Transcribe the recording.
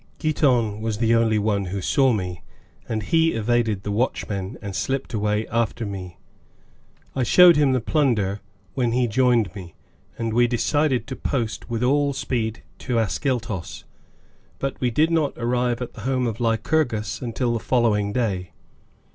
Giton was the only one who saw me and he evaded the watchmen and slipped away after me. I showed him the plunder, when he joined me, and we decided to post with all speed to Ascyltos, but we did not arrive at the home of Lycurgus until the following day.